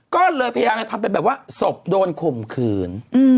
ก็เลยพยายามจะทำเป็นแบบว่าศพโดนข่มขืน